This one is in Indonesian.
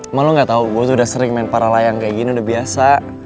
emang lo gak tau gue tuh udah sering main para layang kayak gini udah biasa